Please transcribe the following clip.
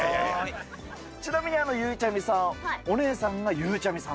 ちなみに、ゆいちゃみさん、お姉さんがゆうちゃみさん。